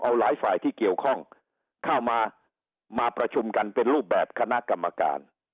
เอาหลายฝ่ายที่เกี่ยวข้องเข้ามามาประชุมกันเป็นรูปแบบคณะกรรมการ